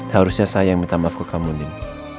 harusnya saya yang minta maaf ke kamu din